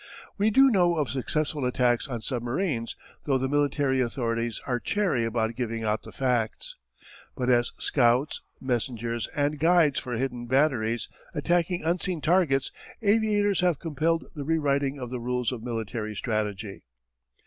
We do know of successful attacks on submarines, though the military authorities are chary about giving out the facts. But as scouts, messengers, and guides for hidden batteries attacking unseen targets, aviators have compelled the rewriting of the rules of military strategy.